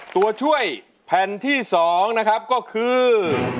ตัวช่วยแผ่นที่๒นะครับก็คือ